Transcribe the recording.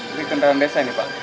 ini kendaraan desa ini pak